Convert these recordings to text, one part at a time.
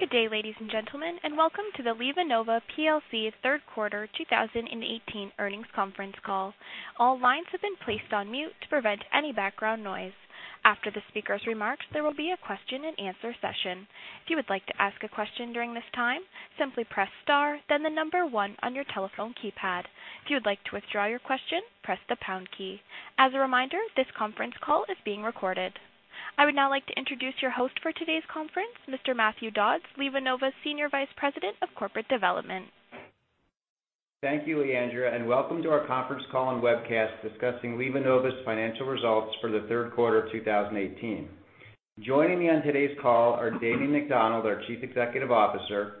Good day, ladies and gentlemen, and welcome to the LivaNova PLC third quarter 2018 earnings conference call. All lines have been placed on mute to prevent any background noise. After the speaker's remarks, there will be a question and answer session. If you would like to ask a question during this time, simply press star, then the number one on your telephone keypad. If you would like to withdraw your question, press the pound key. As a reminder, this conference call is being recorded. I would now like to introduce your host for today's conference, Mr. Matthew Dodds, LivaNova Senior Vice President of Corporate Development. Thank you, Leandra. Welcome to our conference call and webcast discussing LivaNova's financial results for the third quarter of 2018. Joining me on today's call are Damien McDonald, our Chief Executive Officer,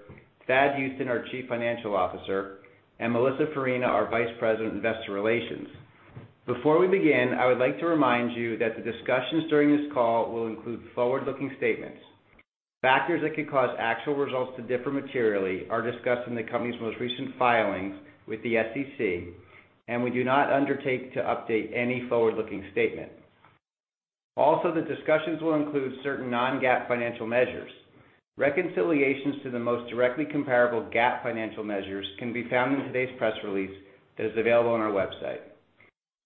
Thad Huston, our Chief Financial Officer, and Melissa Farina, our Vice President Investor Relations. Before we begin, I would like to remind you that the discussions during this call will include forward-looking statements. Factors that could cause actual results to differ materially are discussed in the company's most recent filings with the SEC. We do not undertake to update any forward-looking statement. The discussions will include certain non-GAAP financial measures. Reconciliations to the most directly comparable GAAP financial measures can be found in today's press release that is available on our website.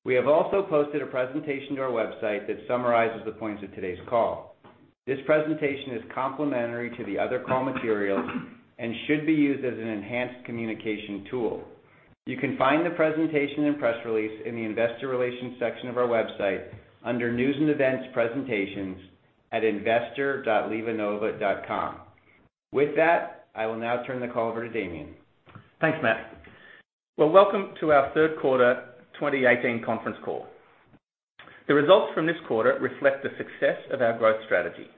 We have also posted a presentation to our website that summarizes the points of today's call. This presentation is complementary to the other call materials and should be used as an enhanced communication tool. You can find the presentation and press release in the investor relations section of our website under News & Events, Presentations at investor.livanova.com. With that, I will now turn the call over to Damien. Thanks, Matt. Welcome to our third quarter 2018 conference call. The results from this quarter reflect the success of our growth strategy.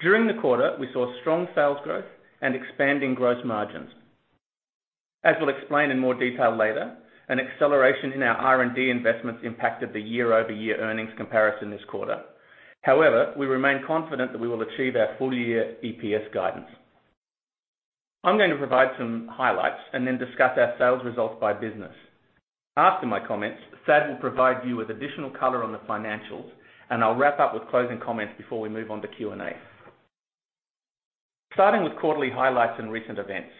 During the quarter, we saw strong sales growth and expanding gross margins. As we'll explain in more detail later, an acceleration in our R&D investments impacted the year-over-year earnings comparison this quarter. However, we remain confident that we will achieve our full year EPS guidance. I'm going to provide some highlights and then discuss our sales results by business. After my comments, Thad will provide you with additional color on the financials, and I'll wrap up with closing comments before we move on to Q&A. Starting with quarterly highlights and recent events.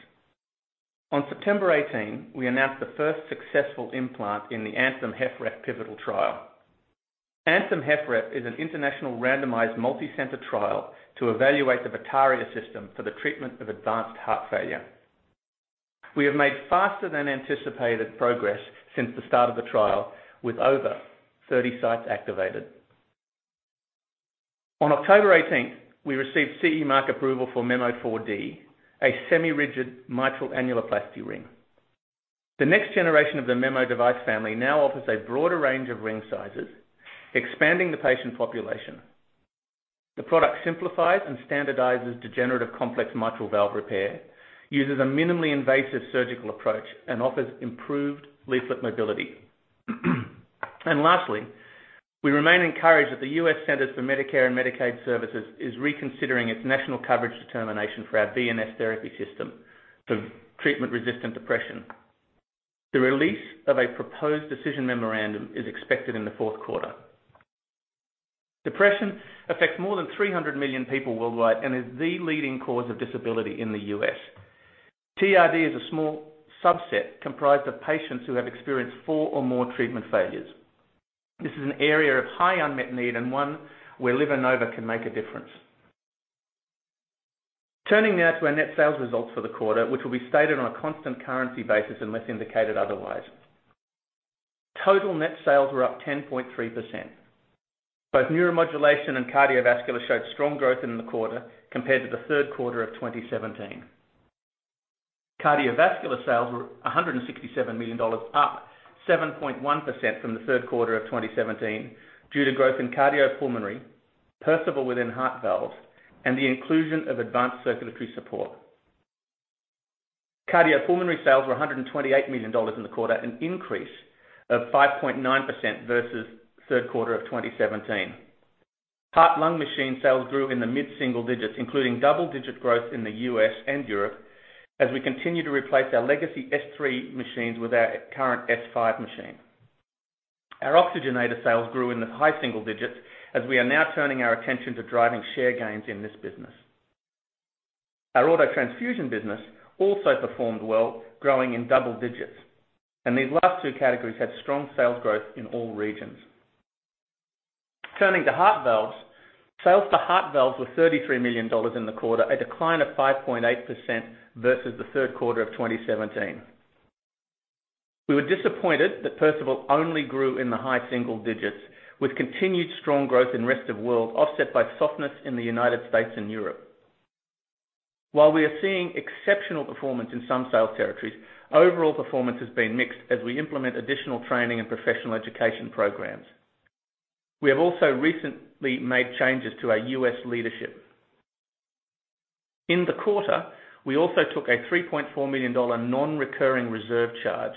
On September 18, we announced the first successful implant in the ANTHEM-HFrEF pivotal trial. ANTHEM-HFrEF is an international randomized, multicenter trial to evaluate the Vitaria system for the treatment of advanced heart failure. We have made faster than anticipated progress since the start of the trial, with over 30 sites activated. On October 18th, we received CE mark approval for MEMO 4D, a semi-rigid mitral annuloplasty ring. The next generation of the MEMO device family now offers a broader range of ring sizes, expanding the patient population. The product simplifies and standardizes degenerative complex mitral valve repair, uses a minimally invasive surgical approach, and offers improved leaflet mobility. Lastly, we remain encouraged that the U.S. Centers for Medicare & Medicaid Services is reconsidering its national coverage determination for our VNS Therapy System for treatment-resistant depression. The release of a proposed decision memorandum is expected in the fourth quarter. Depression affects more than 300 million people worldwide and is the leading cause of disability in the U.S. TRD is a small subset comprised of patients who have experienced four or more treatment failures. This is an area of high unmet need and one where LivaNova can make a difference. Turning now to our net sales results for the quarter, which will be stated on a constant currency basis unless indicated otherwise. Total net sales were up 10.3%. Both Neuromodulation and Cardiovascular showed strong growth in the quarter compared to the third quarter of 2017. Cardiovascular sales were $167 million, up 7.1% from the third quarter of 2017 due to growth in Cardiopulmonary, Perceval within Heart Valves, and the inclusion of Advanced Circulatory Support. Cardiopulmonary sales were $128 million in the quarter, an increase of 5.9% versus third quarter of 2017. Heart-lung machine sales grew in the mid-single digits, including double-digit growth in the U.S. and Europe, as we continue to replace our legacy S3 machines with our current S5 machine. Our oxygenator sales grew in the high single digits as we are now turning our attention to driving share gains in this business. Our auto transfusion business also performed well, growing in double-digits, and these last two categories had strong sales growth in all regions. Turning to Heart Valves. Sales for Heart Valves were $33 million in the quarter, a decline of 5.8% versus the third quarter of 2017. We were disappointed that Perceval only grew in the high single digits with continued strong growth in rest of world offset by softness in the United States and Europe. While we are seeing exceptional performance in some sales territories, overall performance has been mixed as we implement additional training and professional education programs. We have also recently made changes to our U.S. leadership. In the quarter, we also took a $3.4 million non-recurring reserve charge.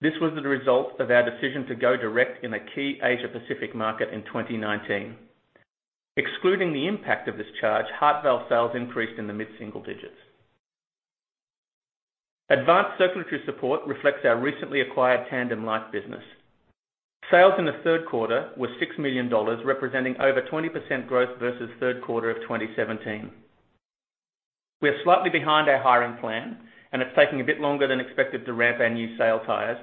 This was the result of our decision to go direct in a key Asia-Pacific market in 2019. Excluding the impact of this charge, Heart Valve sales increased in the mid-single digits. Advanced Circulatory Support reflects our recently acquired TandemLife business. Sales in the third quarter were $6 million, representing over 20% growth versus third quarter of 2017. We are slightly behind our hiring plan, and it's taking a bit longer than expected to ramp our new sales hires.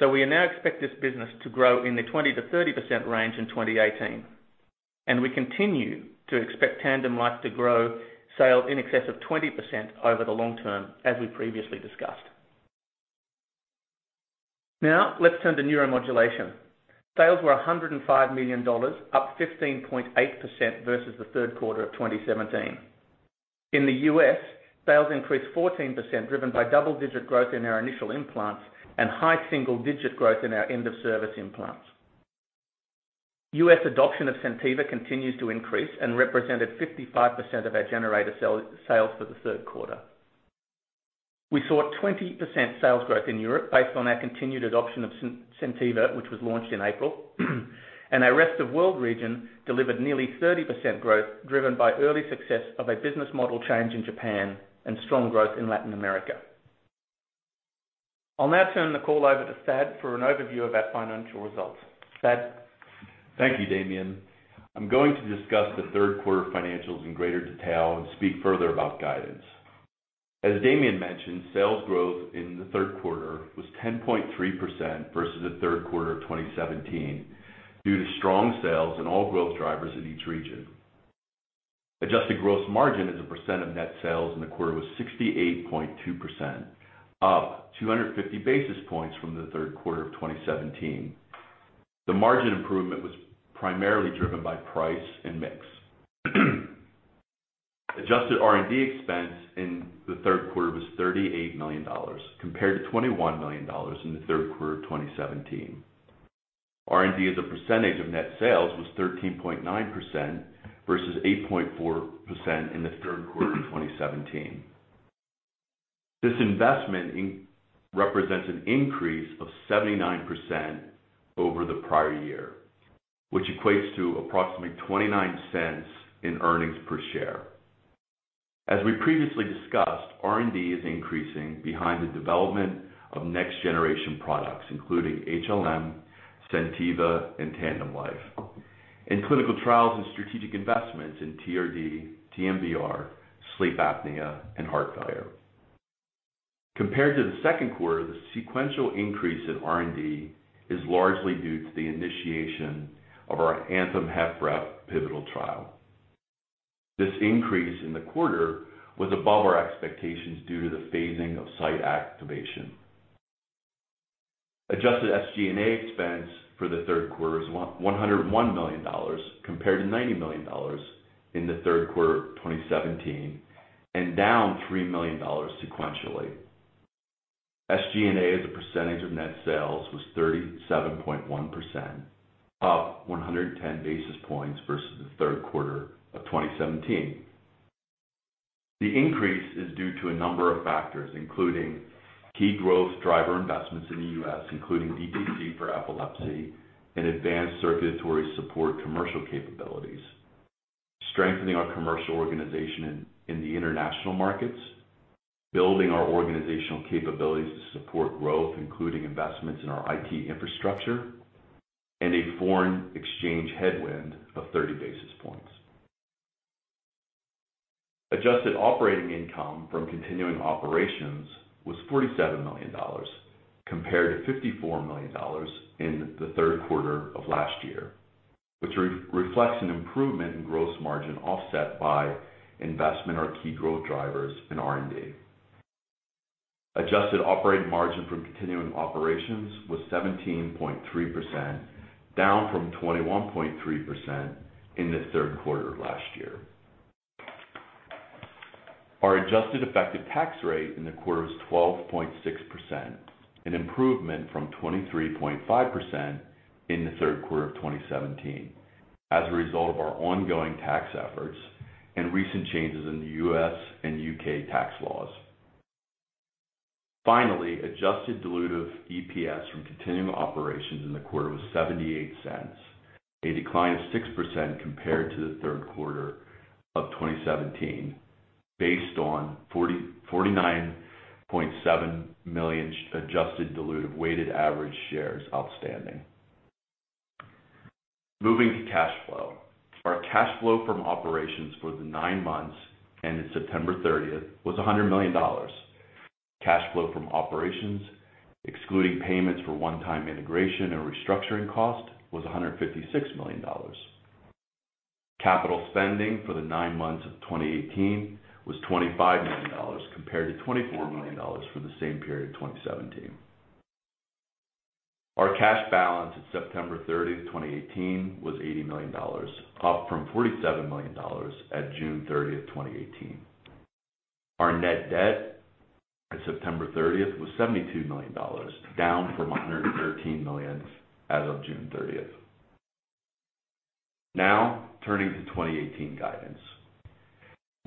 We now expect this business to grow in the 20%-30% range in 2018. We continue to expect TandemLife to grow sales in excess of 20% over the long term, as we previously discussed. Now let's turn to Neuromodulation. Sales were $105 million, up 15.8% versus the third quarter of 2017. In the U.S., sales increased 14%, driven by double-digit growth in our initial implants and high single-digit growth in our end-of-service implants. U.S. adoption of SenTiva continues to increase and represented 55% of our generator sales for the third quarter. We saw 20% sales growth in Europe based on our continued adoption of SenTiva, which was launched in April. Our rest of world region delivered nearly 30% growth, driven by early success of a business model change in Japan and strong growth in Latin America. I'll now turn the call over to Thad for an overview of our financial results. Thad? Thank you, Damien. I'm going to discuss the third quarter financials in greater detail and speak further about guidance. As Damien mentioned, sales growth in the third quarter was 10.3% versus the third quarter of 2017 due to strong sales in all growth drivers in each region. Adjusted gross margin as a percent of net sales in the quarter was 68.2%, up 250 basis points from the third quarter of 2017. The margin improvement was primarily driven by price and mix. Adjusted R&D expense in the third quarter was $38 million compared to $21 million in the third quarter of 2017. R&D as a percentage of net sales was 13.9% versus 8.4% in the third quarter of 2017. This investment represents an increase of 79% over the prior year, which equates to approximately $0.29 in earnings per share. As we previously discussed, R&D is increasing behind the development of next-generation products, including HLM, SenTiva, and TandemLife, and clinical trials and strategic investments in TRD, TMVR, sleep apnea, and heart failure. Compared to the second quarter, the sequential increase in R&D is largely due to the initiation of our ANTHEM-HFrEF pivotal trial. This increase in the quarter was above our expectations due to the phasing of site activation. Adjusted SG&A expense for the third quarter is $101 million compared to $90 million in the third quarter of 2017 and down $3 million sequentially. SG&A as a percentage of net sales was 37.1%, up 110 basis points versus the third quarter of 2017. The increase is due to a number of factors, including key growth driver investments in the U.S., including DTC for epilepsy and advanced circulatory support commercial capabilities, strengthening our commercial organization in the international markets, building our organizational capabilities to support growth, including investments in our IT infrastructure, and a foreign exchange headwind of 30 basis points. Adjusted operating income from continuing operations was $47 million compared to $54 million in the third quarter of last year, which reflects an improvement in gross margin offset by investment in our key growth drivers in R&D. Adjusted operating margin from continuing operations was 17.3%, down from 21.3% in the third quarter of last year. Our adjusted effective tax rate in the quarter was 12.6%, an improvement from 23.5% in the third quarter of 2017 as a result of our ongoing tax efforts and recent changes in the U.S. and U.K. tax laws. Adjusted dilutive EPS from continuing operations in the quarter was $0.78, a decline of 6% compared to the third quarter of 2017, based on 49.7 million adjusted dilutive weighted average shares outstanding. Moving to cash flow. Our cash flow from operations for the nine months ending September 30th was $100 million. Cash flow from operations, excluding payments for one-time integration and restructuring cost, was $156 million. Capital spending for the nine months of 2018 was $25 million compared to $24 million for the same period in 2017. Our cash balance at September 30th, 2018, was $80 million, up from $47 million at June 30th, 2018. Our net debt at September 30th was $72 million, down from $113 million as of June 30th. Turning to 2018 guidance.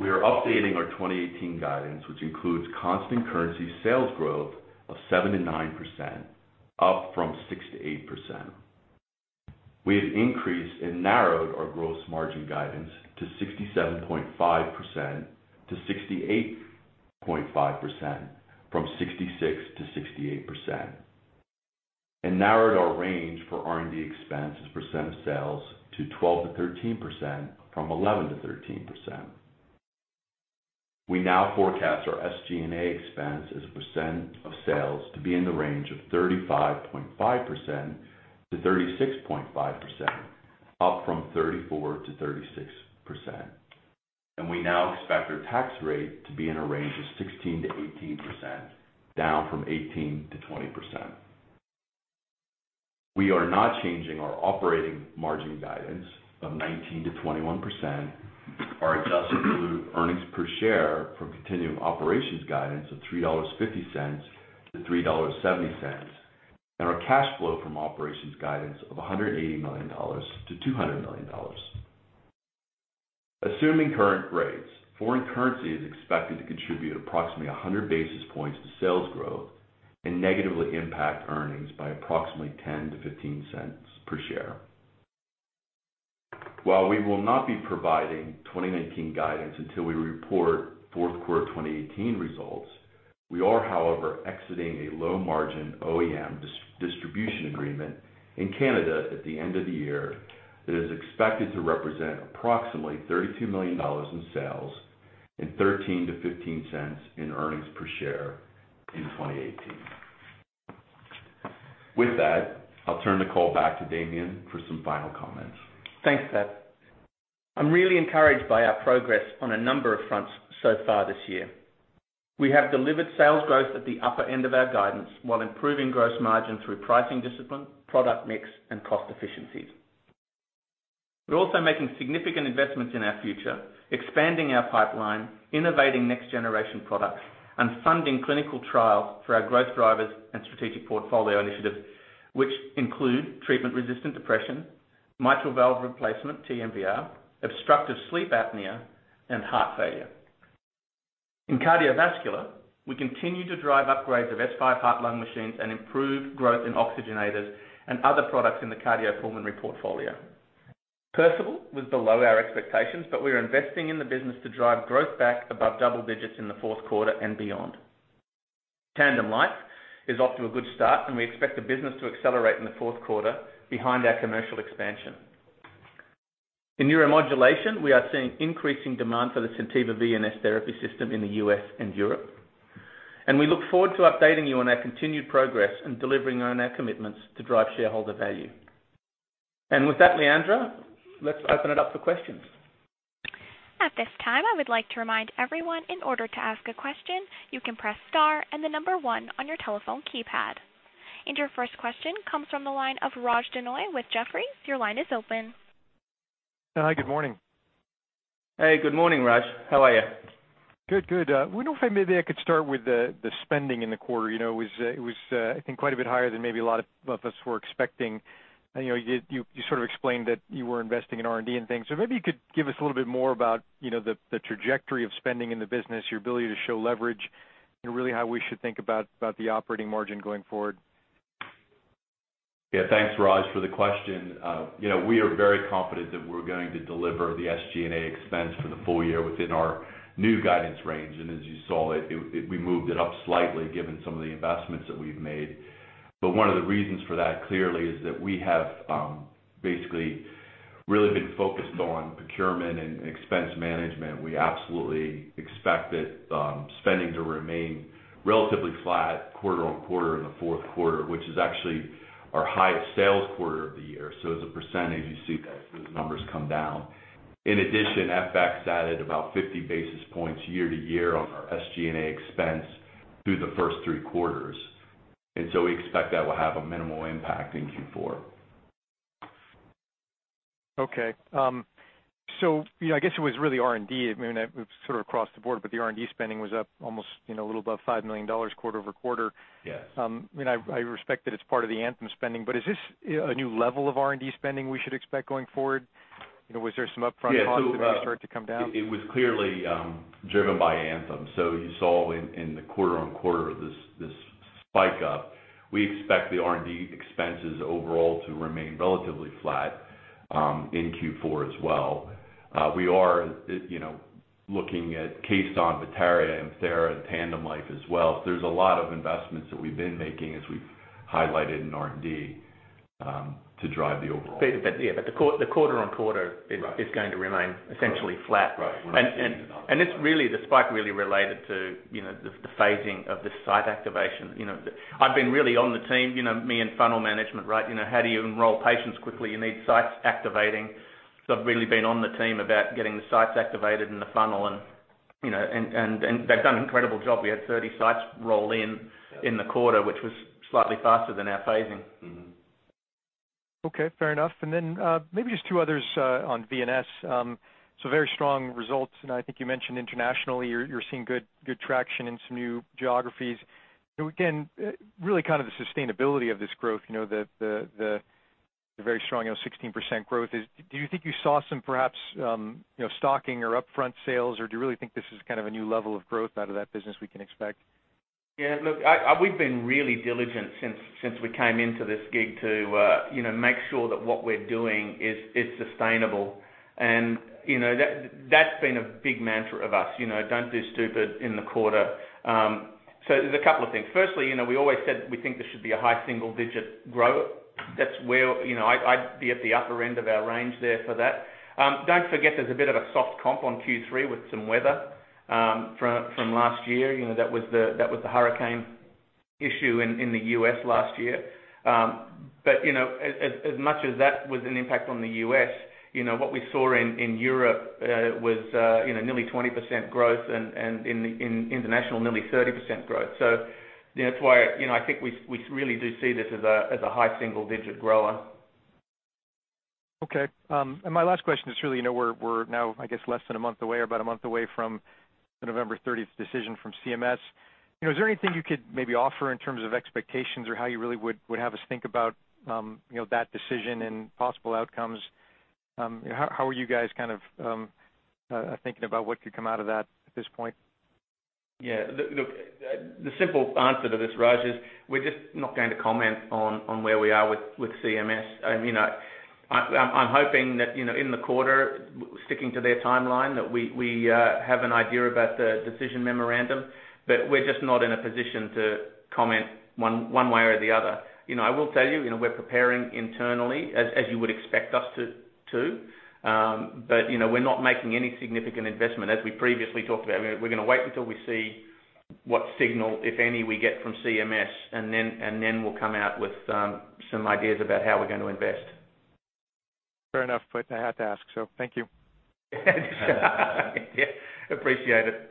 We are updating our 2018 guidance, which includes constant currency sales growth of 7%-9%, up from 6%-8%. We have increased and narrowed our gross margin guidance to 67.5%-68.5%, from 66%-68%, and narrowed our range for R&D expense as a percent of sales to 12%-13%, from 11%-13%. We now forecast our SG&A expense as a percent of sales to be in the range of 35.5%-36.5%, up from 34%-36%. We now expect our tax rate to be in a range of 16%-18%, down from 18%-20%. We are not changing our operating margin guidance of 19%-21%, our adjusted diluted earnings per share from continuing operations guidance of $3.50-$3.70, and our cash flow from operations guidance of $180 million-$200 million. Assuming current rates, foreign currency is expected to contribute approximately 100 basis points to sales growth and negatively impact earnings by approximately $0.10-$0.15 per share. While we will not be providing 2019 guidance until we report fourth quarter 2018 results, we are, however, exiting a low-margin OEM distribution agreement in Canada at the end of the year that is expected to represent approximately $32 million in sales and $0.13-$0.15 in earnings per share in 2018. With that, I'll turn the call back to Damien for some final comments. Thanks, Thad. I'm really encouraged by our progress on a number of fronts so far this year. We have delivered sales growth at the upper end of our guidance while improving gross margin through pricing discipline, product mix, and cost efficiencies. We're also making significant investments in our future, expanding our pipeline, innovating next-generation products, and funding clinical trials for our growth drivers and strategic portfolio initiatives, which include treatment-resistant depression, mitral valve replacement, TMVR, obstructive sleep apnea, and heart failure. In cardiovascular, we continue to drive upgrades of S5 heart-lung machines and improve growth in oxygenators and other products in the cardiopulmonary portfolio. Perceval was below our expectations, but we are investing in the business to drive growth back above double digits in the fourth quarter and beyond. TandemLife is off to a good start, and we expect the business to accelerate in the fourth quarter behind our commercial expansion. In Neuromodulation, we are seeing increasing demand for the SenTiva VNS Therapy System in the U.S. and Europe. We look forward to updating you on our continued progress and delivering on our commitments to drive shareholder value. With that, Leandra, let's open it up for questions. At this time, I would like to remind everyone, in order to ask a question, you can press star and the number one on your telephone keypad. Your first question comes from the line of Raj Denhoy with Jefferies. Your line is open. Hi, good morning. Hey, good morning, Raj. How are you? Good. I wonder if maybe I could start with the spending in the quarter. It was, I think, quite a bit higher than maybe a lot of us were expecting. You sort of explained that you were investing in R&D and things, maybe you could give us a little bit more about the trajectory of spending in the business, your ability to show leverage, and really how we should think about the operating margin going forward. Yeah. Thanks, Raj, for the question. We are very confident that we're going to deliver the SG&A expense for the full year within our new guidance range. As you saw, we moved it up slightly given some of the investments that we've made. One of the reasons for that, clearly, is that we have basically really been focused on procurement and expense management. We absolutely expect spending to remain relatively flat quarter on quarter in the fourth quarter, which is actually our highest sales quarter of the year. As a percentage, you see those numbers come down. In addition, FX added about 50 basis points year to year on our SG&A expense through the first three quarters, we expect that will have a minimal impact in Q4. Okay. I guess it was really R&D. I mean, it was sort of across the board, but the R&D spending was up almost a little above $5 million quarter over quarter. Yes. I respect that it's part of the ANTHEM-HFrEF spending, is this a new level of R&D spending we should expect going forward? Was there some upfront costs that may start to come down? It was clearly driven by Anthem. You saw in the quarter-on-quarter this spike up. We expect the R&D expenses overall to remain relatively flat in Q4 as well. We are looking at Caisson, Vitaria, ImThera, and TandemLife as well. There's a lot of investments that we've been making, as we've highlighted in R&D, to drive the overall. Yeah, the quarter-on-quarter is going to remain essentially flat. Right. The spike really related to the phasing of the site activation. I've been really on the team, me and funnel management. How do you enroll patients quickly? You need sites activating. I've really been on the team about getting the sites activated and the funnel, and they've done an incredible job. We had 30 sites roll in in the quarter, which was slightly faster than our phasing. Okay, fair enough. Maybe just two others on VNS. Very strong results, and I think you mentioned internationally you're seeing good traction in some new geographies. Again, really kind of the sustainability of this growth, the very strong 16% growth is, do you think you saw some, perhaps, stocking or upfront sales, or do you really think this is kind of a new level of growth out of that business we can expect? Yeah. Look, we've been really diligent since we came into this gig to make sure that what we're doing is sustainable. That's been a big mantra of us. Don't do stupid in the quarter. There's a couple of things. Firstly, we always said we think this should be a high single-digit growth. I'd be at the upper end of our range there for that. Don't forget there's a bit of a soft comp on Q3 with some weather from last year. That was the hurricane issue in the U.S. last year. As much as that was an impact on the U.S., what we saw in Europe was nearly 20% growth and in international, nearly 30% growth. That's why I think we really do see this as a high single-digit grower. Okay. My last question is really, we're now, I guess, less than a month away or about a month away from the November 30th decision from CMS. Is there anything you could maybe offer in terms of expectations or how you really would have us think about that decision and possible outcomes? How are you guys kind of thinking about what could come out of that at this point? Yeah. Look, the simple answer to this, Raj, is we're just not going to comment on where we are with CMS. I'm hoping that in the quarter, sticking to their timeline, that we have an idea about the decision memorandum. We're just not in a position to comment one way or the other. I will tell you, we're preparing internally as you would expect us to. We're not making any significant investment, as we previously talked about. We're going to wait until we see what signal, if any, we get from CMS, and then we'll come out with some ideas about how we're going to invest. Fair enough. I have to ask, so thank you. Appreciate it.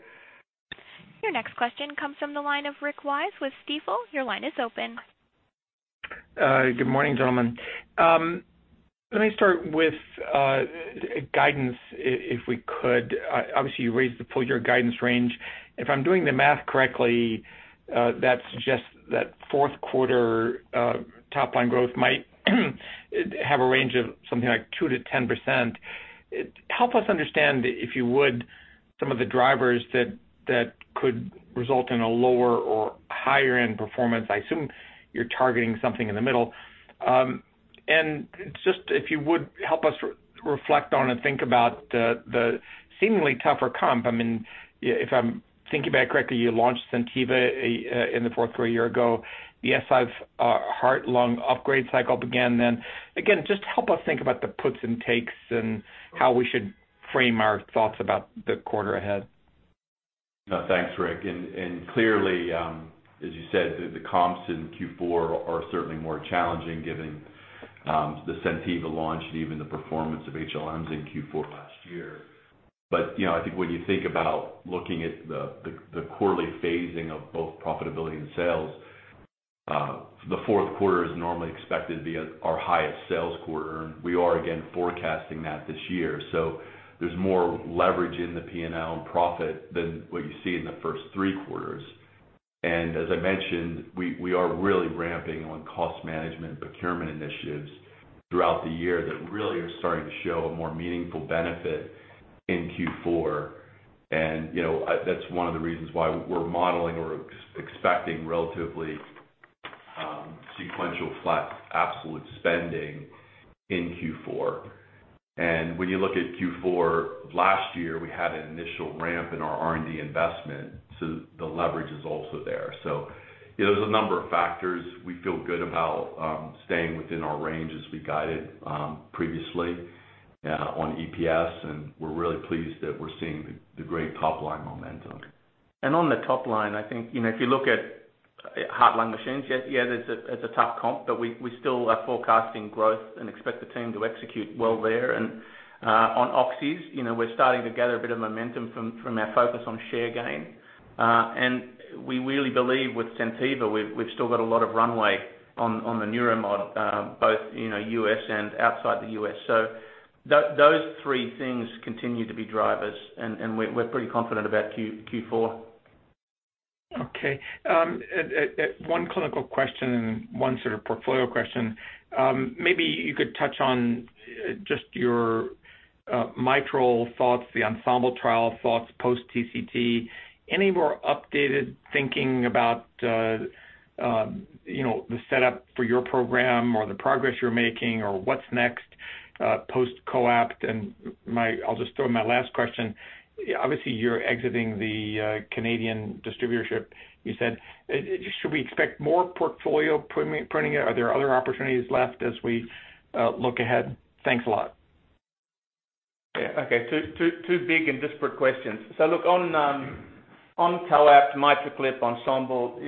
Your next question comes from the line of Rick Wise with Stifel. Your line is open. Good morning, gentlemen. Let me start with guidance, if we could. Obviously, you raised the full year guidance range. If I'm doing the math correctly, that suggests that fourth quarter top-line growth might have a range of something like 2%-10%. Help us understand, if you would, some of the drivers that could result in a lower or higher end performance. I assume you're targeting something in the middle. Just if you would, help us reflect on and think about the seemingly tougher comp. If I'm thinking back correctly, you launched SenTiva in the fourth quarter a year ago. The S5 heart-lung upgrade cycle began then. Again, just help us think about the puts and takes and how we should frame our thoughts about the quarter ahead. Thanks, Rick. Clearly, as you said, the comps in Q4 are certainly more challenging given the SenTiva launch and even the performance of HLMs in Q4 last year. I think when you think about looking at the quarterly phasing of both profitability and sales, the fourth quarter is normally expected to be our highest sales quarter, and we are again forecasting that this year. So there's more leverage in the P&L and profit than what you see in the first three quarters. As I mentioned, we are really ramping on cost management and procurement initiatives throughout the year that really are starting to show a more meaningful benefit in Q4. That's one of the reasons why we're modeling or expecting relatively sequential flat absolute spending in Q4. When you look at Q4 last year, we had an initial ramp in our R&D investment, the leverage is also there. There's a number of factors. We feel good about staying within our range as we guided previously on EPS, and we're really pleased that we're seeing the great top-line momentum. On the top line, I think, if you look at heart-lung machines, yeah, there's a tough comp, but we still are forecasting growth and expect the team to execute well there. On oxygenerators, we're starting to gather a bit of momentum from our focus on share gain. We really believe with SenTiva, we've still got a lot of runway on the neuro mod, both U.S. and outside the U.S. Those three things continue to be drivers, and we're pretty confident about Q4. Okay. One clinical question and one sort of portfolio question. Maybe you could touch on just your mitral thoughts, the ENSEMBLE trial thoughts, post TCT. Any more updated thinking about the setup for your program or the progress you're making or what's next post COAPT? I'll just throw in my last question. Obviously, you're exiting the Canadian distributorship, you said. Should we expect more portfolio pruning? Are there other opportunities left as we look ahead? Thanks a lot. Yeah. Okay. Two big and disparate questions. Look, on COAPT, MitraClip, ENSEMBLE,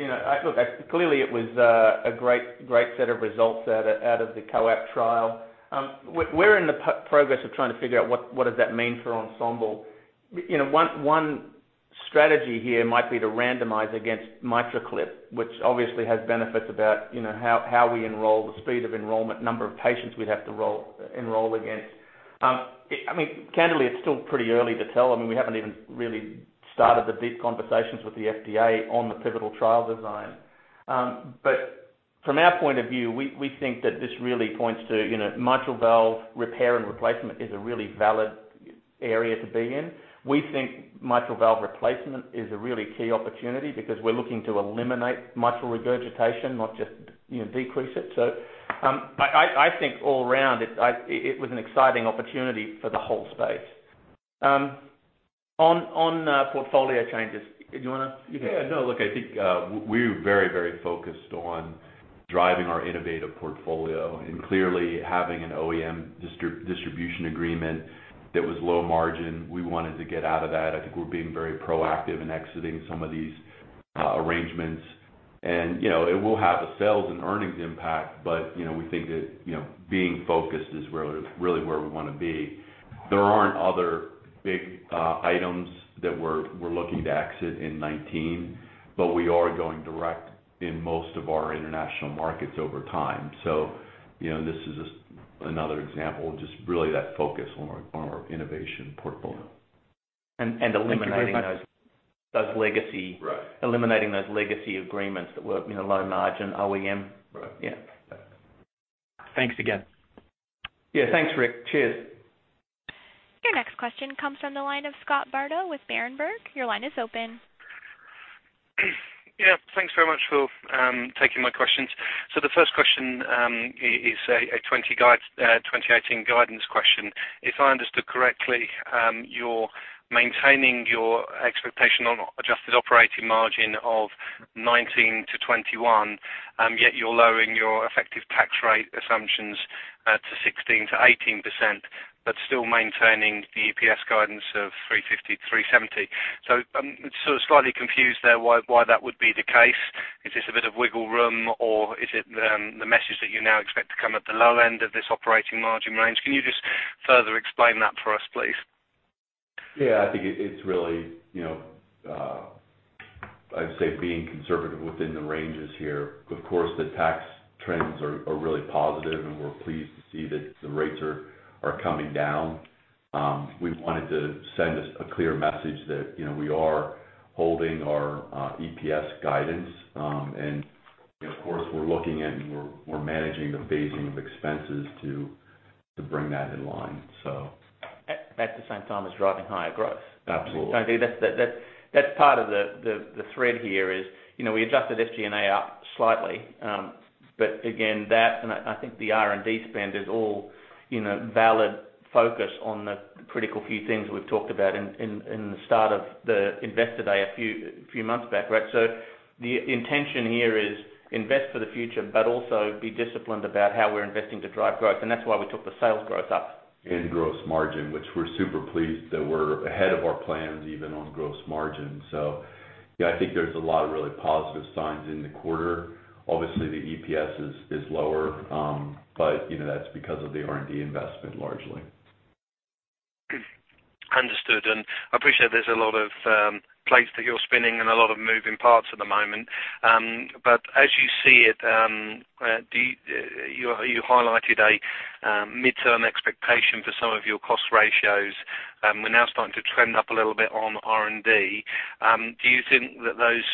clearly it was a great set of results out of the COAPT trial. We're in the progress of trying to figure out what does that mean for ENSEMBLE. One strategy here might be to randomize against MitraClip, which obviously has benefits about how we enroll, the speed of enrollment, number of patients we'd have to enroll against. Candidly, it's still pretty early to tell. We haven't even really started the deep conversations with the FDA on the pivotal trial design. From our point of view, we think that this really points to mitral valve repair and replacement is a really valid area to be in. We think mitral valve replacement is a really key opportunity because we're looking to eliminate mitral regurgitation, not just decrease it. I think all around, it was an exciting opportunity for the whole space. On portfolio changes, do you want to? I think we're very focused on driving our innovative portfolio. Clearly, having an OEM distribution agreement that was low margin, we wanted to get out of that. I think we're being very proactive in exiting some of these arrangements. It will have a sales and earnings impact, but we think that being focused is really where we want to be. There aren't other big items that we're looking to exit in 2019, but we are going direct in most of our international markets over time. This is just another example of just really that focus on our innovation portfolio. Eliminating those. Right Eliminating those legacy agreements that were low margin OEM. Right. Yeah. Thanks again. Yeah. Thanks, Rick. Cheers. Your next question comes from the line of Scott Bardo with Berenberg. Your line is open. Yeah. Thanks very much for taking my questions. The first question is a 2018 guidance question. If I understood correctly, you're maintaining your expectation on adjusted operating margin of 19%-21%, yet you're lowering your effective tax rate assumptions to 16%-18%, but still maintaining the EPS guidance of $3.50-$3.70. I'm sort of slightly confused there why that would be the case. Is this a bit of wiggle room, or is it the message that you now expect to come at the low end of this operating margin range? Can you just further explain that for us, please? Yeah. I think it's really, I'd say being conservative within the ranges here. Of course, the tax trends are really positive, and we're pleased to see that the rates are coming down. We wanted to send a clear message that we are holding our EPS guidance. Of course, we're looking and we're managing the phasing of expenses to bring that in line. At the same time as driving higher growth. Absolutely. I think that's part of the thread here is, we adjusted SG&A up slightly. Again, that and I think the R&D spend is all valid focus on the critical few things we've talked about in the start of the investor day a few months back, right. The intention here is invest for the future, but also be disciplined about how we're investing to drive growth. That's why we took the sales growth up. Gross margin, which we're super pleased that we're ahead of our plans even on gross margin. Yeah, I think there's a lot of really positive signs in the quarter. Obviously, the EPS is lower. That's because of the R&D investment, largely. Understood. I appreciate there's a lot of plates that you're spinning and a lot of moving parts at the moment. As you see it, you highlighted a midterm expectation for some of your cost ratios. We're now starting to trend up a little bit on R&D. Do you think that those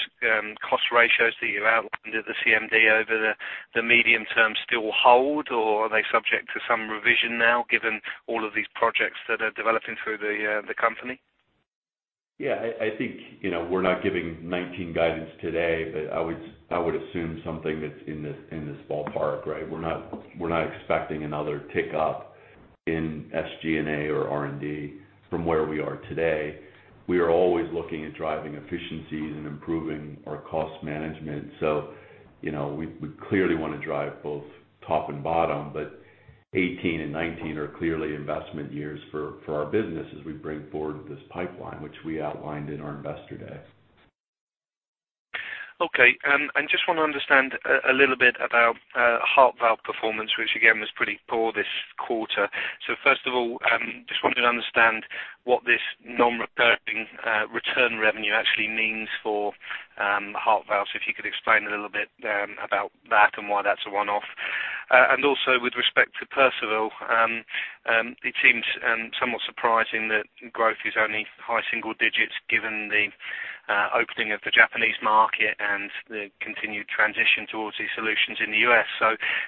cost ratios that you outlined at the CMD over the medium term still hold, or are they subject to some revision now given all of these projects that are developing through the company? Yeah, I think, we're not giving 2019 guidance today. I would assume something that's in this ballpark, right? We're not expecting another tick up in SG&A or R&D from where we are today. We are always looking at driving efficiencies and improving our cost management. We clearly want to drive both top and bottom. 2018 and 2019 are clearly investment years for our business as we bring forward this pipeline, which we outlined in our Investor Day. Okay. I just want to understand a little bit about heart valve performance, which again, was pretty poor this quarter. First of all, just wanted to understand what this non-recurring return revenue actually means for heart valves, if you could explain a little bit about that and why that's a one-off. Also with respect to Perceval, it seems somewhat surprising that growth is only high single digits given the opening of the Japanese market and the continued transition towards these solutions in the U.S.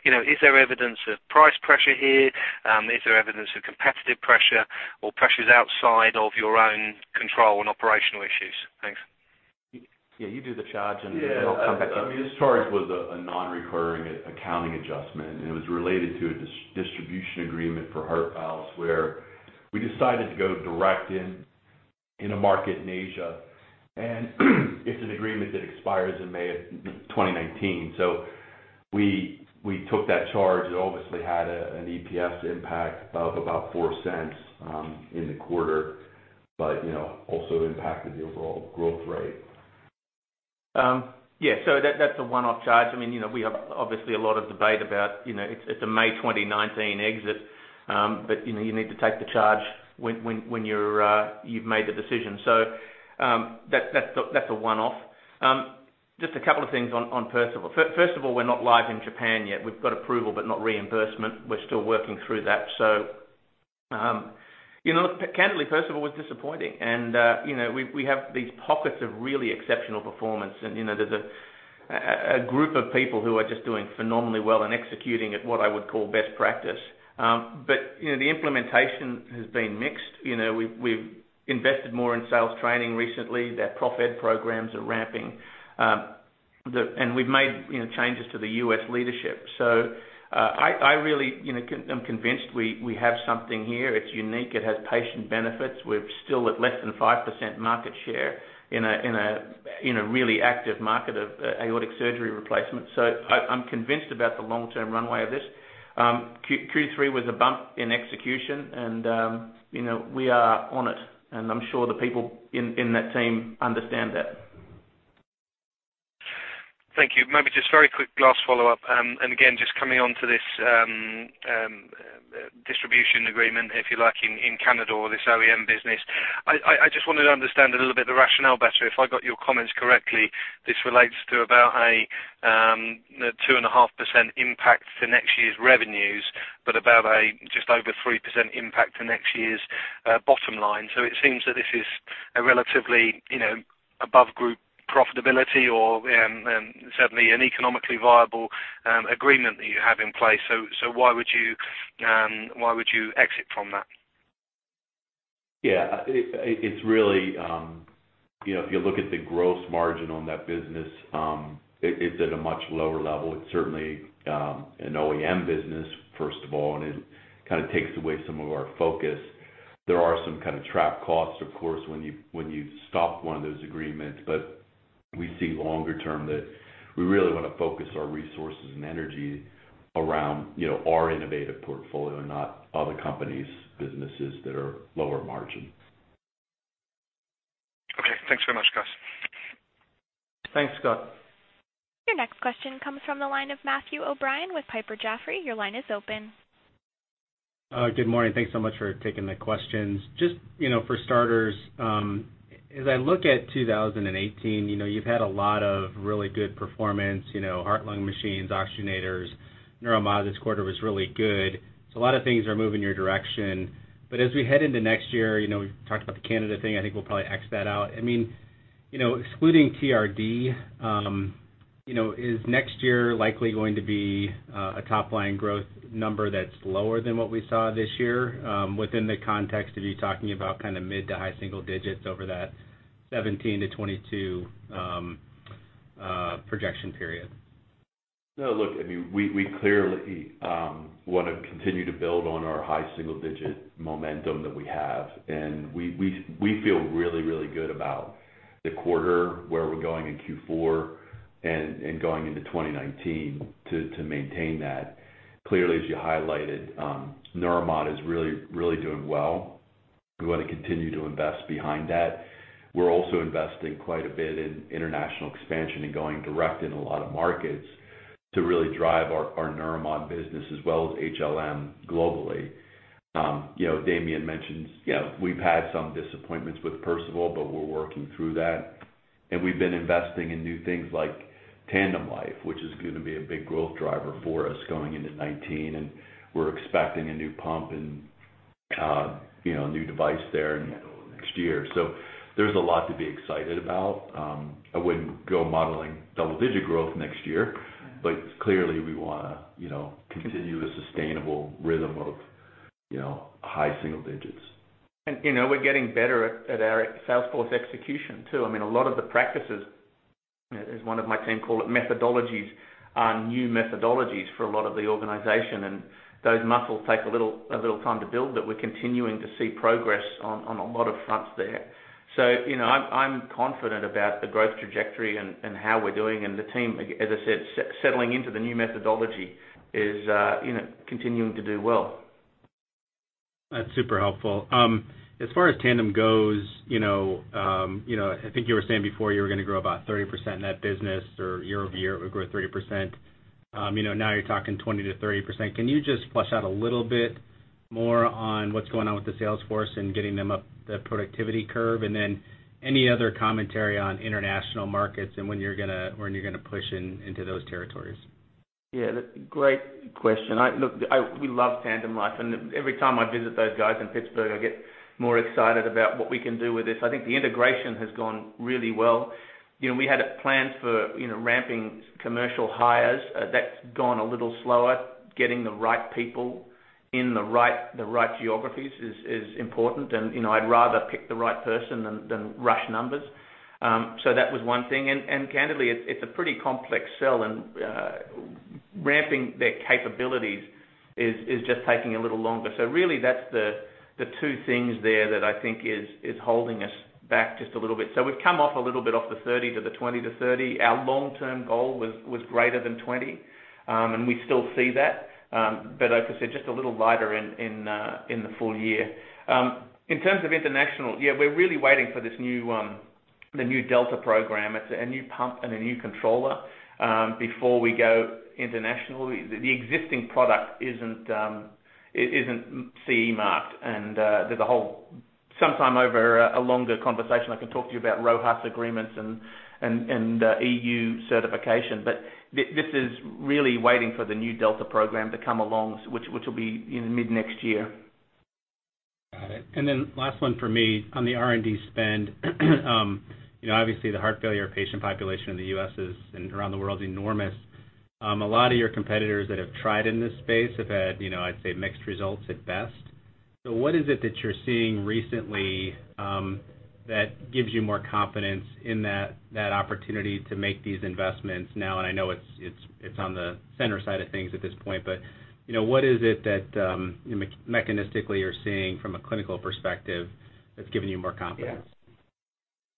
Is there evidence of price pressure here? Is there evidence of competitive pressure or pressures outside of your own control and operational issues? Thanks. Yeah, you do the charge, and I'll come back in. Yeah. This charge was a non-recurring accounting adjustment, it was related to a distribution agreement for heart valves where we decided to go direct in a market in Asia. It's an agreement that expires in May of 2019. We took that charge. It obviously had an EPS impact of about $0.04 in the quarter. Also impacted the overall growth rate. Yeah. That's a one-off charge. We have obviously a lot of debate about, it's a May 2019 exit, you need to take the charge when you've made the decision. That's a one-off. Just a couple of things on Perceval. First of all, we're not live in Japan yet. We've got approval but not reimbursement. We're still working through that. Candidly, Perceval was disappointing. We have these pockets of really exceptional performance, and there's a group of people who are just doing phenomenally well and executing at what I would call best practice. The implementation has been mixed. We've invested more in sales training recently. Their prof ed programs are ramping, and we've made changes to the U.S. leadership. I really am convinced we have something here. It's unique. It has patient benefits. We're still at less than 5% market share in a really active market of aortic surgery replacement. I'm convinced about the long-term runway of this. Q3 was a bump in execution, and we are on it, and I'm sure the people in that team understand that. Thank you. Maybe just very quick last follow-up, again, just coming onto this distribution agreement, if you like, in Canada or this OEM business. I just wanted to understand a little bit the rationale better. If I got your comments correctly, this relates to about a 2.5% impact to next year's revenues, but about a just over 3% impact to next year's bottom line. It seems that this is a relatively above-group profitability or certainly an economically viable agreement that you have in place. Why would you exit from that? Yeah. If you look at the gross margin on that business, it is at a much lower level. It is certainly an OEM business, first of all, and it kind of takes away some of our focus. There are some kind of trap costs, of course, when you stop one of those agreements. We see longer term that we really want to focus our resources and energy around our innovative portfolio and not other companies' businesses that are lower margin. Okay. Thanks so much, Thad. Thanks, Scott. Your next question comes from the line of Matthew O'Brien with Piper Jaffray. Your line is open. Good morning. Thanks so much for taking the questions. Just for starters, as I look at 2018, you've had a lot of really good performance. Heart-lung machines, oxygenators, Neuromodulation this quarter was really good. A lot of things are moving your direction. As we head into next year, we've talked about the Canada thing. I think we'll probably X that out. Excluding TRD, is next year likely going to be a top-line growth number that's lower than what we saw this year within the context of you talking about mid to high single digits over that 17-22 projection period? No, look, we clearly want to continue to build on our high single-digit momentum that we have, and we feel really, really good about the quarter, where we're going in Q4, and going into 2019 to maintain that. Clearly, as you highlighted, Neuromodulation is really doing well. We want to continue to invest behind that. We're also investing quite a bit in international expansion and going direct in a lot of markets to really drive our Neuromodulation business as well as HLM globally. Damien mentioned we've had some disappointments with Perceval, we're working through that, and we've been investing in new things like TandemLife, which is going to be a big growth driver for us going into 2019, and we're expecting a new pump and a new device there next year. There's a lot to be excited about. I wouldn't go modeling double-digit growth next year. Clearly, we want to continue a sustainable rhythm of high single digits. We're getting better at our sales force execution, too. A lot of the practices, as one of my team call it, methodologies, are new methodologies for a lot of the organization, and those muscles take a little time to build. We're continuing to see progress on a lot of fronts there. I'm confident about the growth trajectory and how we're doing. The team, as I said, settling into the new methodology is continuing to do well. That's super helpful. As far as TandemLife goes, I think you were saying before you were going to grow about 30% in that business or year-over-year it would grow 30%. Now you're talking 20%-30%. Can you just flesh out a little bit more on what's going on with the sales force and getting them up the productivity curve? Any other commentary on international markets and when you're going to push into those territories? Yeah, great question. Look, we love TandemLife, and every time I visit those guys in Pittsburgh, I get more excited about what we can do with this. I think the integration has gone really well. We had it planned for ramping commercial hires. That's gone a little slower. Getting the right people in the right geographies is important, and I'd rather pick the right person than rush numbers. That was one thing. Candidly, it's a pretty complex sell, and ramping their capabilities is just taking a little longer. Really that's the two things there that I think is holding us back just a little bit. We've come off a little bit off the 30% to the 20%-30%. Our long-term goal was greater than 20%, and we still see that. Like I said, just a little lighter in the full year. In terms of international, yeah, we're really waiting for the new Delta program. It's a new pump and a new controller before we go international. The existing product isn't CE marked, and there's a sometime over a longer conversation, I can talk to you about RoHS agreements and EU certification. This is really waiting for the new Delta program to come along, which will be in mid-next year. Got it. Last one for me, on the R&D spend. Obviously, the heart failure patient population in the U.S. and around the world is enormous. A lot of your competitors that have tried in this space have had, I'd say, mixed results at best. What is it that you're seeing recently that gives you more confidence in that opportunity to make these investments now? I know it's on the center side of things at this point, but what is it that mechanistically you're seeing from a clinical perspective that's giving you more confidence? Yeah.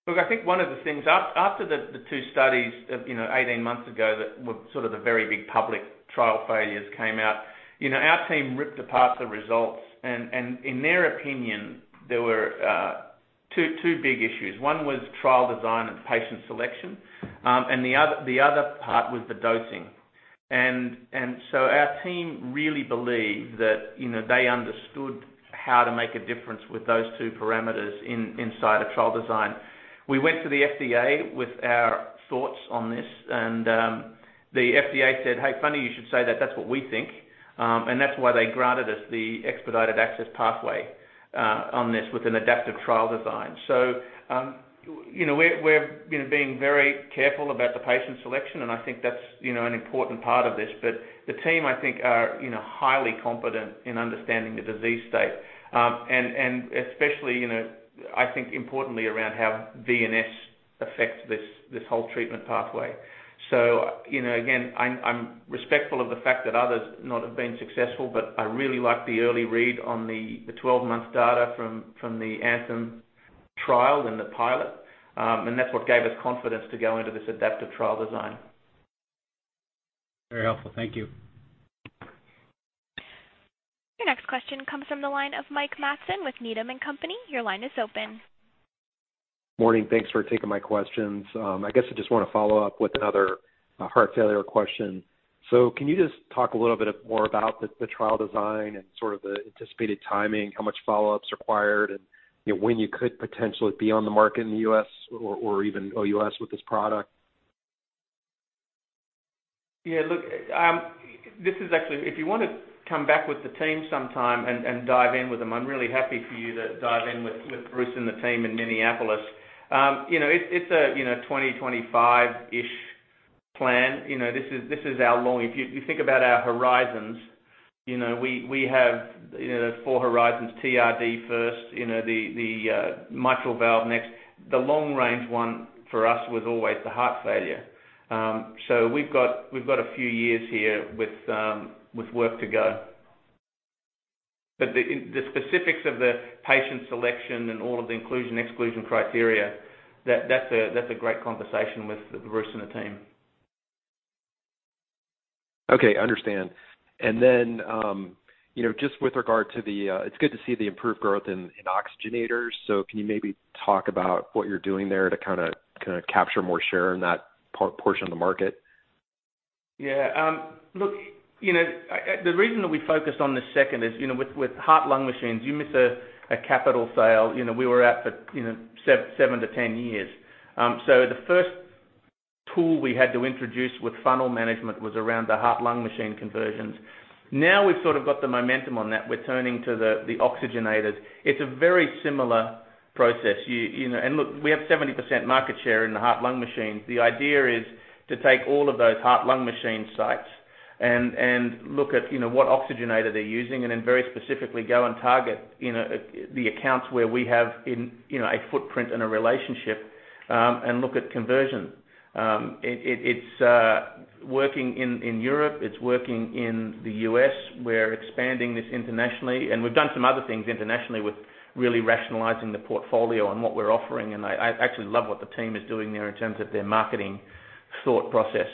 Look, I think one of the things, after the two studies, 18 months ago, that were sort of the very big public trial failures came out. Our team ripped apart the results. In their opinion, there were two big issues. One was trial design and patient selection. The other part was the dosing. Our team really believed that they understood how to make a difference with those two parameters inside a trial design. We went to the FDA with our thoughts on this, and the FDA said, "Hey, funny you should say that. That's what we think." That's why they granted us the expedited access pathway on this with an adaptive trial design. We're being very careful about the patient selection, and I think that's an important part of this. The team, I think, are highly competent in understanding the disease state. Especially, I think importantly, around how VNS affects this whole treatment pathway. Again, I'm respectful of the fact that others not have been successful, but I really like the early read on the 12-month data from the ANTHEM trial and the pilot. That's what gave us confidence to go into this adaptive trial design. Very helpful. Thank you. Your next question comes from the line of Mike Matson with Needham & Company. Your line is open. Morning. Thanks for taking my questions. I guess I just want to follow up with another heart failure question. Can you just talk a little bit more about the trial design and sort of the anticipated timing, how much follow-up's required, and when you could potentially be on the market in the U.S. or even OUS with this product? Yeah. Look, if you want to come back with the team sometime and dive in with them, I'm really happy for you to dive in with Bruce and the team in Minneapolis. It's a 2025-ish plan. If you think about our horizons, we have four horizons, TRD first, the mitral valve next. The long range one for us was always the heart failure. We've got a few years here with work to go. The specifics of the patient selection and all of the inclusion/exclusion criteria, that's a great conversation with Bruce and the team. Okay. Understand. It's good to see the improved growth in oxygenators. Can you maybe talk about what you're doing there to kind of capture more share in that portion of the market? Yeah. Look, the reason that we focused on this second is, with heart-lung machines, you miss a capital sale. We were out for seven to 10 years. The first tool we had to introduce with funnel management was around the heart-lung machine conversions. Now we've sort of got the momentum on that. We're turning to the oxygenators. It's a very similar process. Look, we have 70% market share in the heart-lung machines. The idea is to take all of those heart-lung machine sites and look at what oxygenator they're using, and then very specifically go and target the accounts where we have a footprint and a relationship, and look at conversion. It's working in Europe. It's working in the U.S. We're expanding this internationally, and we've done some other things internationally with really rationalizing the portfolio on what we're offering. I actually love what the team is doing there in terms of their marketing thought process.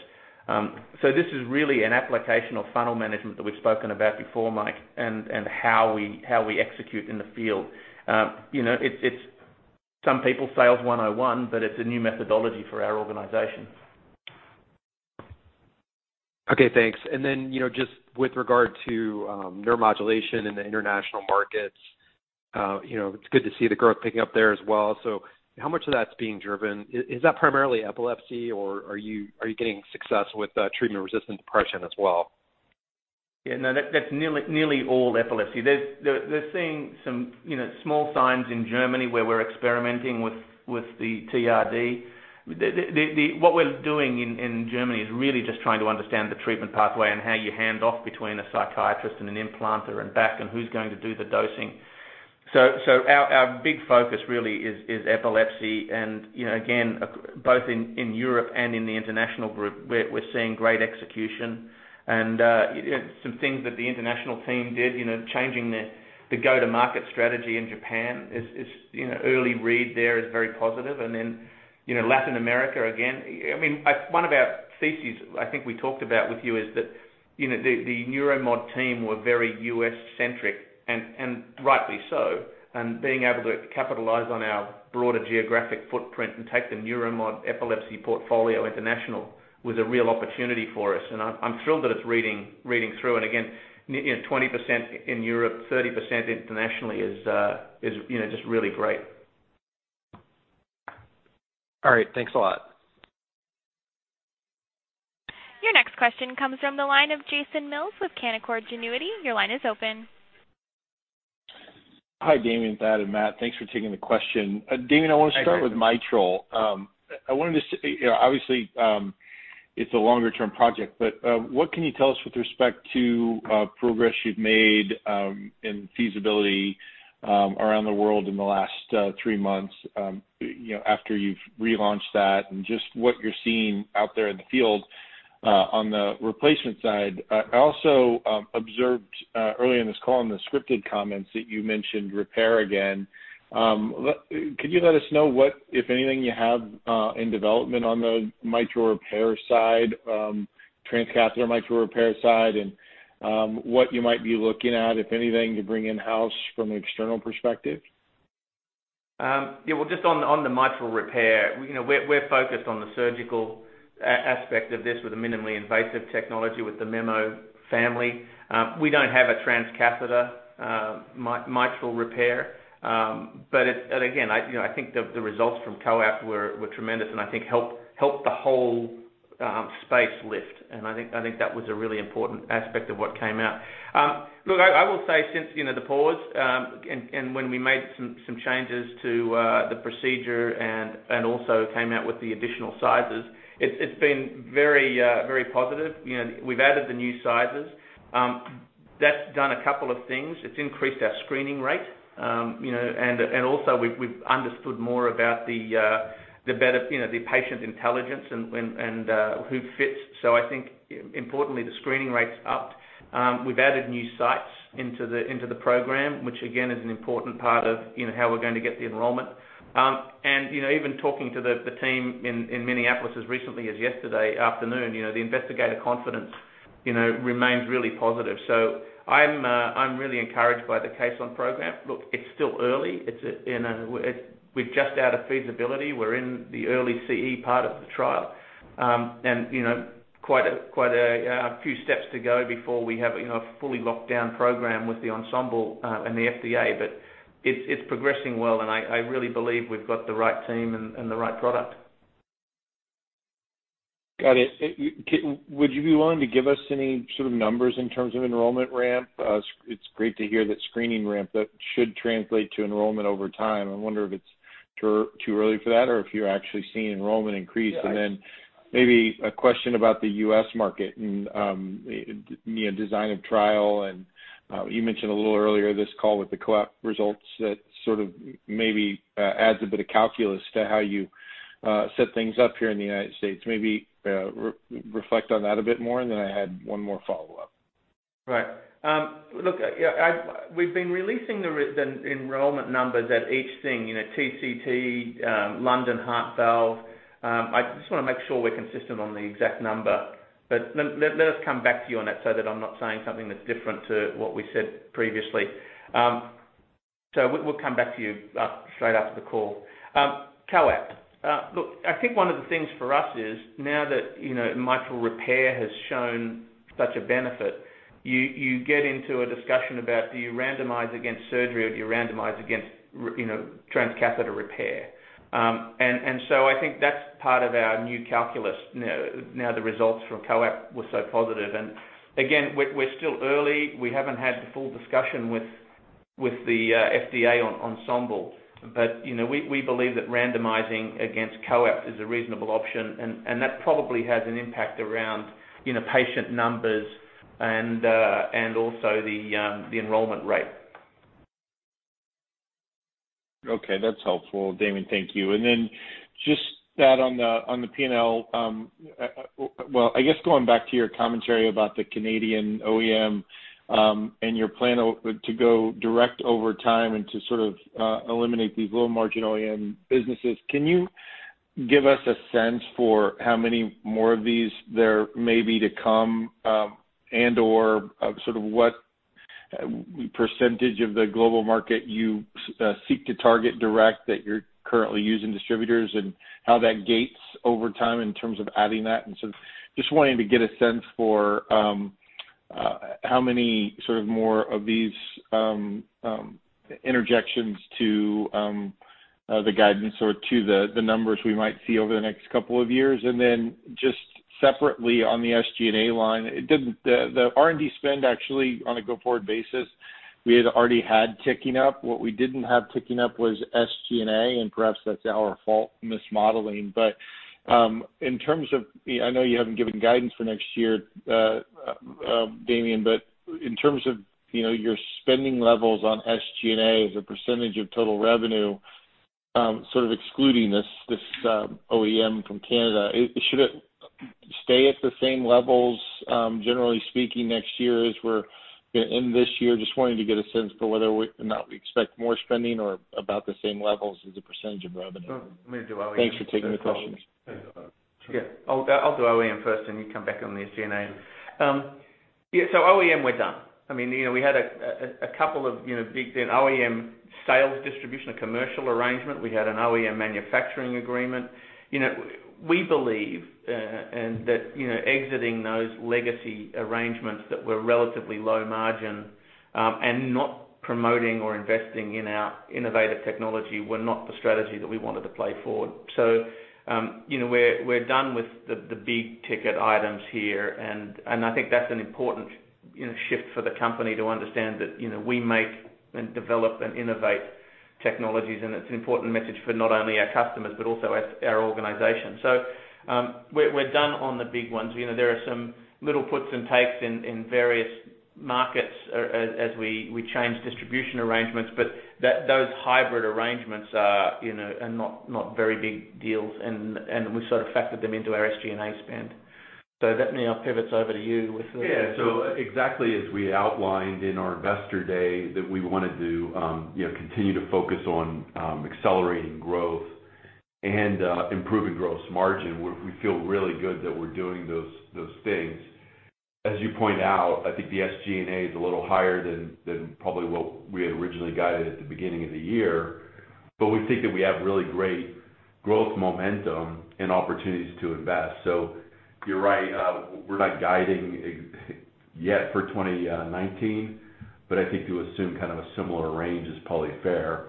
This is really an applicational funnel management that we've spoken about before, Mike, and how we execute in the field. It's some people Sales 101, but it's a new methodology for our organization. Okay, thanks. Just with regard to Neuromodulation in the international markets, it's good to see the growth picking up there as well. How much of that's being driven-- Is that primarily epilepsy, or are you getting success with treatment-resistant depression as well? Yeah, no. That's nearly all epilepsy. They're seeing some small signs in Germany where we're experimenting with the TRD. What we're doing in Germany is really just trying to understand the treatment pathway and how you hand off between a psychiatrist and an implanter and back, and who's going to do the dosing. Our big focus really is epilepsy. Again, both in Europe and in the international group, we're seeing great execution. Some things that the international team did, changing the go-to-market strategy in Japan, its early read there is very positive. Then Latin America, again. One of our theses I think we talked about with you is that the Neuromodulation team were very U.S.-centric, and rightly so. Being able to capitalize on our broader geographic footprint and take the Neuromodulation epilepsy portfolio international was a real opportunity for us. I'm thrilled that it's reading through. Again, 20% in Europe, 30% internationally is just really great. All right. Thanks a lot. This question comes from the line of Jason Mills with Canaccord Genuity. Your line is open. Hi, Damien, Thad, and Matt. Thanks for taking the question. Damien, I want to start with mitral. Obviously, it's a longer-term project, but what can you tell us with respect to progress you've made in feasibility around the world in the last three months, after you've relaunched that and just what you're seeing out there in the field on the replacement side. I also observed earlier in this call in the scripted comments that you mentioned repair again. Could you let us know what, if anything, you have in development on the mitral repair side, transcatheter mitral repair side, and what you might be looking at, if anything, to bring in-house from an external perspective? Yeah. Well, just on the mitral repair, we're focused on the surgical aspect of this with a minimally invasive technology with the Memo family. We don't have a transcatheter mitral repair. Again, I think the results from COAPT were tremendous and I think helped the whole space lift. I think that was a really important aspect of what came out. Look, I will say since the pause, and when we made some changes to the procedure and also came out with the additional sizes, it's been very positive. We've added the new sizes. That's done a couple of things. It's increased our screening rate. Also, we've understood more about the patient intelligence and who fits. I think importantly, the screening rate's upped. We've added new sites into the program, which again, is an important part of how we're going to get the enrollment. Even talking to the team in Minneapolis as recently as yesterday afternoon, the investigator confidence remains really positive. I'm really encouraged by the Caisson program. It's still early. We're just out of feasibility. We're in the early CE part of the trial. Quite a few steps to go before we have a fully locked down program with the ENSEMBLE and the FDA, but it's progressing well, and I really believe we've got the right team and the right product. Got it. Would you be willing to give us any sort of numbers in terms of enrollment ramp? It's great to hear that screening ramp that should translate to enrollment over time. I wonder if it's too early for that or if you're actually seeing enrollment increase. Yeah. Maybe a question about the U.S. market and design of trial, you mentioned a little earlier this call with the COAPT results that sort of maybe adds a bit of calculus to how you set things up here in the U.S. Maybe reflect on that a bit more, I had one more follow-up. We've been releasing the enrollment numbers at each thing, TCT, London, Heart Valve. I just want to make sure we're consistent on the exact number. Let us come back to you on that so that I'm not saying something that's different to what we said previously. We'll come back to you straight after the call. COAPT. I think one of the things for us is, now that mitral repair has shown such a benefit, you get into a discussion about do you randomize against surgery or do you randomize against transcatheter repair? I think that's part of our new calculus, now the results from COAPT were so positive. Again, we're still early. We haven't had the full discussion with the FDA on ENSEMBLE. We believe that randomizing against COAPT is a reasonable option, and that probably has an impact around patient numbers and also the enrollment rate. Okay, that's helpful, Damien. Thank you. Just that on the P&L. Well, I guess going back to your commentary about the Canadian OEM, and your plan to go direct over time and to sort of eliminate these low-margin OEM businesses, can you give us a sense for how many more of these there may be to come, and/or sort of what % of the global market you seek to target direct that you're currently using distributors, and how that gates over time in terms of adding that. Just wanting to get a sense for how many sort of more of these interjections to the guidance or to the numbers we might see over the next couple of years. Then just separately on the SG&A line, the R&D spend actually on a go-forward basis, we had already had ticking up. What we didn't have ticking up was SG&A, and perhaps that's our fault mismodeling. I know you haven't given guidance for next year, Damien, but in terms of your spending levels on SG&A as a % of total revenue, sort of excluding this OEM from Canada, should it stay at the same levels, generally speaking, next year as we're in this year? Just wanting to get a sense for whether or not we expect more spending or about the same levels as a % of revenue. Let me do OEM first. Thanks for taking the questions. I'll do OEM first, then you come back on the SG&A. OEM, we're done. We had a couple of big OEM sales distribution, a commercial arrangement. We had an OEM manufacturing agreement. We believe that exiting those legacy arrangements that were relatively low margin, and not promoting or investing in our innovative technology were not the strategy that we wanted to play forward. We're done with the big-ticket items here, and I think that's an important shift for the company to understand that we make and develop and innovate technologies, and it's an important message for not only our customers but also our organization. We're done on the big ones. There are some little puts and takes in various markets as we change distribution arrangements, but those hybrid arrangements are not very big deals, and we sort of factored them into our SG&A spend. That now pivots over to you. Yeah. Exactly as we outlined in our Investor Day that we want to do, continue to focus on accelerating growth and improving gross margin. We feel really good that we're doing those things. As you point out, I think the SG&A is a little higher than probably what we had originally guided at the beginning of the year. We think that we have really great growth momentum and opportunities to invest. You're right, we're not guiding yet for 2019, but I think to assume kind of a similar range is probably fair.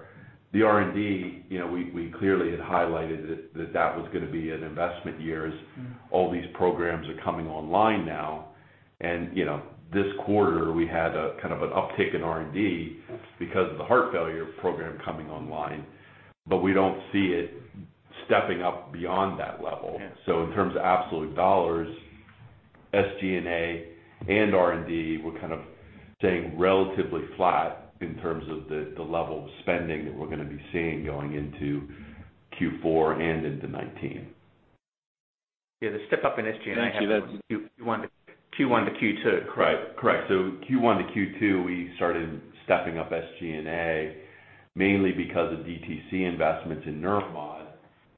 The R&D, we clearly had highlighted that that was going to be an investment year as all these programs are coming online now. This quarter, we had kind of an uptick in R&D because of the heart failure program coming online. We don't see it stepping up beyond that level. Yeah. In terms of absolute dollars, SG&A and R&D, we're kind of staying relatively flat in terms of the level of spending that we're going to be seeing going into Q4 and into 2019. Yeah, the step up in SG&A happened- Thank you. That's- Q1 to Q2. Correct. Correct. Q1 to Q2, we started stepping up SG&A, mainly because of DTC investments in Neuromodulation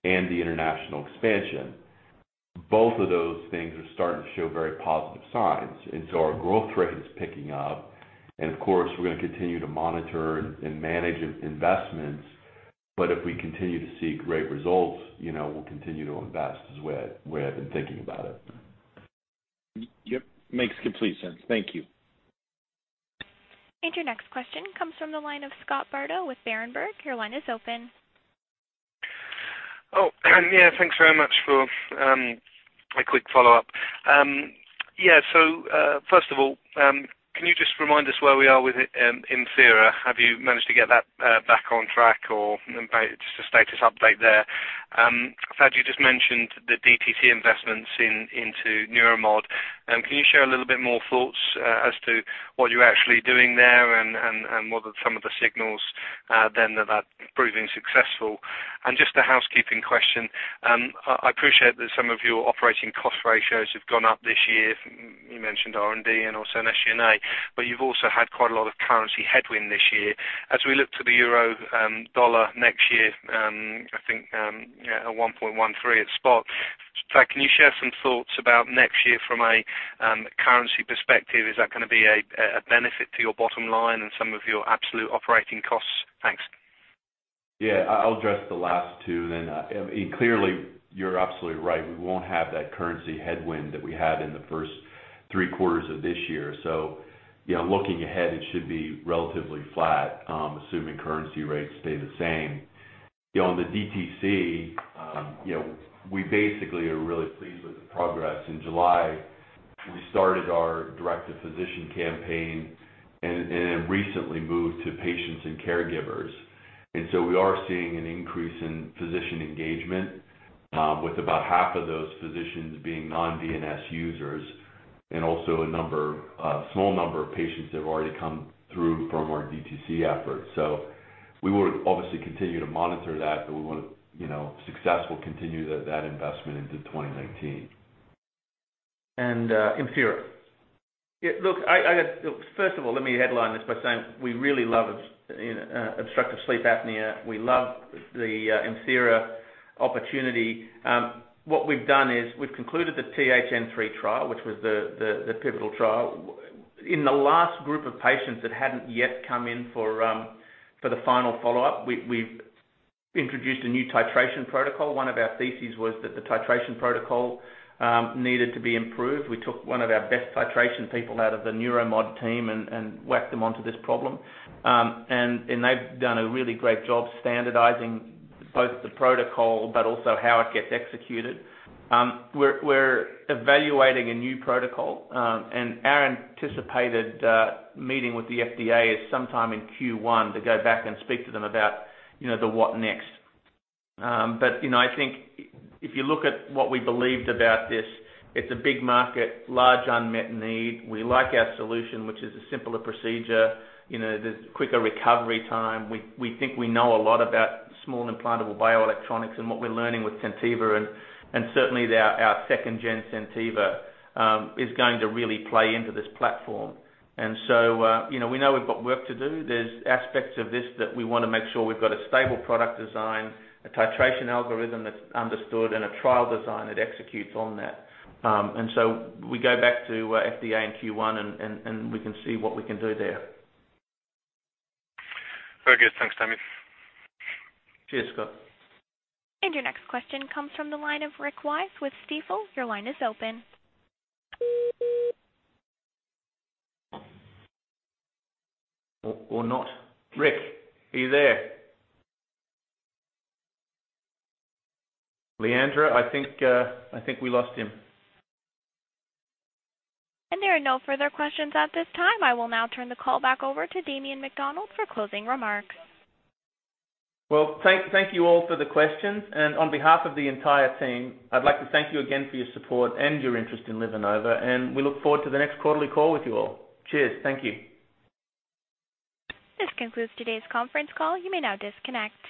and the international expansion. Both of those things are starting to show very positive signs. Our growth rate is picking up, and of course, we're going to continue to monitor and manage investments. If we continue to see great results, we'll continue to invest, is the way I've been thinking about it. Yep. Makes complete sense. Thank you. Your next question comes from the line of Scott Bardo with Berenberg. Your line is open. Thanks very much for a quick follow-up. First of all, can you just remind us where we are with ImThera? Have you managed to get that back on track, or just a status update there? Thad, you just mentioned the DTC investments into Neuromodulation. Can you share a little bit more thoughts as to what you're actually doing there and what are some of the signals, then that are proving successful? Just a housekeeping question. I appreciate that some of your operating cost ratios have gone up this year. You mentioned R&D and also SG&A. You've also had quite a lot of currency headwind this year. As we look to the euro dollar next year, I think, at 1.13 at spot. Thad, can you share some thoughts about next year from a currency perspective? Is that going to be a benefit to your bottom line and some of your absolute operating costs? Thanks. I'll address the last two then. I mean, clearly, you're absolutely right. We won't have that currency headwind that we had in the first three quarters of this year. Looking ahead, it should be relatively flat, assuming currency rates stay the same. On the DTC, we basically are really pleased with the progress. In July, we started our direct-to-physician campaign and have recently moved to patients and caregivers. We are seeing an increase in physician engagement, with about half of those physicians being non-VNS users and also a small number of patients that have already come through from our DTC efforts. We would obviously continue to monitor that, but we want to successfully continue that investment into 2019. ImThera. Look, first of all, let me headline this by saying we really love obstructive sleep apnea. We love the ImThera opportunity. What we've done is we've concluded the THN3 trial, which was the pivotal trial. In the last group of patients that hadn't yet come in for the final follow-up, we've introduced a new titration protocol. One of our theses was that the titration protocol needed to be improved. We took one of our best titration people out of the Neuromod team and whacked them onto this problem. They've done a really great job standardizing both the protocol but also how it gets executed. We're evaluating a new protocol. Our anticipated meeting with the FDA is sometime in Q1 to go back and speak to them about the what next. I think if you look at what we believed about this, it's a big market, large unmet need. We like our solution, which is a simpler procedure. There's quicker recovery time. We think we know a lot about small implantable bioelectronics and what we're learning with SenTiva, and certainly our second-gen SenTiva is going to really play into this platform. We know we've got work to do. There's aspects of this that we want to make sure we've got a stable product design, a titration algorithm that's understood, and a trial design that executes on that. We go back to FDA in Q1, and we can see what we can do there. Very good. Thanks, Damien. Cheers, Scott. Your next question comes from the line of Rick Wise with Stifel. Your line is open. Not. Rick, are you there? Leandra, I think we lost him. There are no further questions at this time. I will now turn the call back over to Damien McDonald for closing remarks. Well, thank you all for the questions, on behalf of the entire team, I'd like to thank you again for your support and your interest in LivaNova, we look forward to the next quarterly call with you all. Cheers. Thank you. This concludes today's conference call. You may now disconnect.